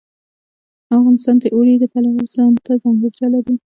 افغانستان د اوړي د پلوه ځانته ځانګړتیا لري.